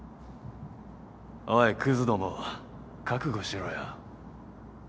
おいクズども覚悟しろよ。